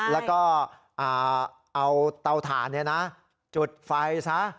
แล้วก็เอาเตาถ่านเนี่ยนะจุดไฟซะ